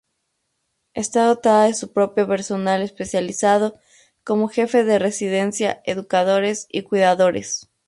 Está dotada de su propio personal especializado como Jefe de Residencia, Educadores y Cuidadores.